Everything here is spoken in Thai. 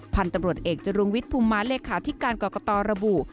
พันธุ์ตำรวจเอกจรุงวิทย์ภูมิมาเลขาธิการกรกตระบุ